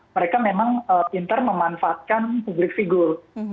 mereka memang pinter memanfaatkan public figure